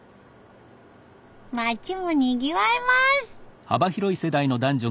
町もにぎわいます。